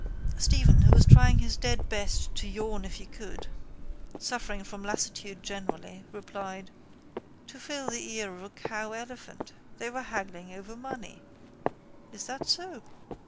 _ Stephen, who was trying his dead best to yawn if he could, suffering from lassitude generally, replied: —To fill the ear of a cow elephant. They were haggling over money. —Is that so?